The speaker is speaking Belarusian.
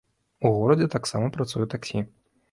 У горадзе таксама працуе таксі.